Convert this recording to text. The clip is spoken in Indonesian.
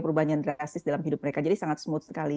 perubahan yang drastis dalam hidup mereka jadi sangat smooth sekali